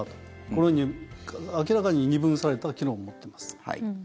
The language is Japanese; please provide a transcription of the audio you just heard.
このように明らかに二分された機能を持っています。